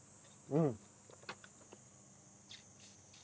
うん！